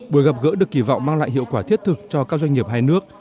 buổi gặp gỡ được kỳ vọng mang lại hiệu quả thiết thực cho các doanh nghiệp hai nước